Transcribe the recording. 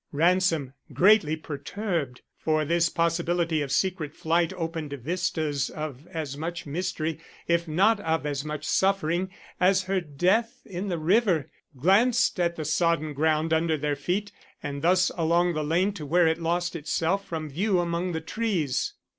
Ransom, greatly perturbed, for this possibility of secret flight opened vistas of as much mystery, if not of as much suffering, as her death in the river, glanced at the sodden ground under their feet, and thus along the lane to where it lost itself from view among the trees.